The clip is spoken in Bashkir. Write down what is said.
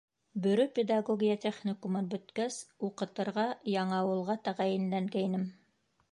Бөрө педагогия техникумын бөткәс, уҡытырға Яңауылға тәғәйенләнгәйнем.